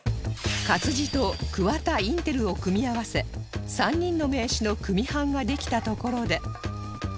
活字とクワタインテルを組み合わせ３人の名刺の組版ができたところで